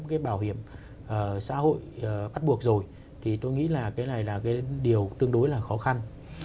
cái bảo hiểm xã hội bắt buộc rồi thì tôi nghĩ là cái này là cái điều tương đối là khó khăn